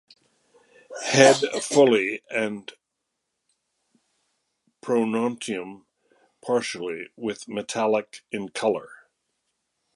Head fully and pronotum partially with metallic in color.